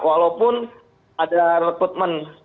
walaupun ada reputmen